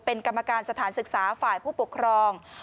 เป็นกรรมการสถานศึกษาฝ่ายผู้ปกครอง